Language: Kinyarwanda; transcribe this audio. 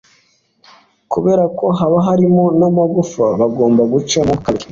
kubera ko haba harimo namagufa bagomba gucamo kabiri